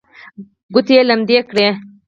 ګوتې یې لمدې کړې.